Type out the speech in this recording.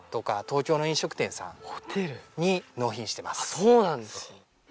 そうなんですね。